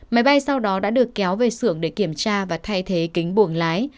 máy bay sau đó đã được kéo về xưởng để kiểm tra và thay thế kính buồng lái